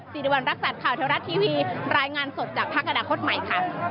สินวัลรักษณ์ข่าวแถวรัสทีวีรายงานสดจากพักอาณาโค้นใหม่ค่ะ